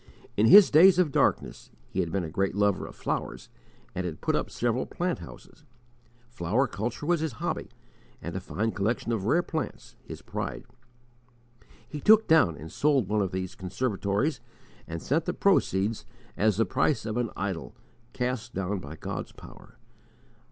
In his days of darkness he had been a great lover of flowers and had put up several plant houses; flower culture was his hobby, and a fine collection of rare plants, his pride. He took down and sold one of these conservatories and sent the proceeds as "the price of an idol, cast down by God's power."